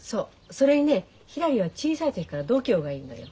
それにねひらりは小さい時から度胸がいいのよ。